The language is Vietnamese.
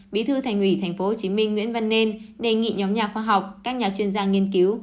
bí thư thành ủy tp hcm nguyễn văn nên đề nghị nhóm nhà khoa học các nhà chuyên gia nghiên cứu